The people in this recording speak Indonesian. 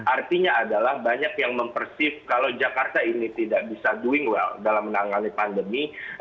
artinya adalah banyak yang mempersif kalau jakarta ini tidak bisa doing well dalam menangani pandemi